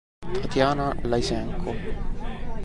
Tatiana Lysenko